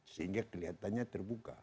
sehingga kelihatannya terbuka